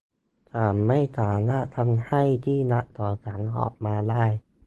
ฉันไม่สามารถทำให้ที่รักของฉันออกมาได้